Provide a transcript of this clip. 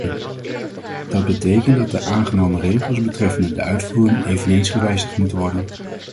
Dat betekent dat de aangenomen regels betreffende de uitvoering eveneens gewijzigd moeten worden.